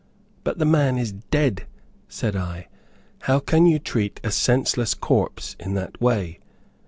"But the man is dead," said I. "How can you treat a senseless corpse in that way?"